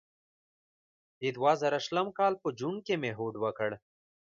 د دوه زره شلم کال په جون کې مې هوډ وکړ.